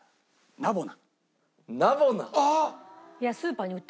ナボナ。